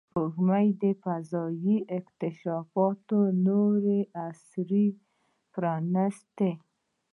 سپوږمۍ د فضایي اکتشافاتو نوی عصر پرانستی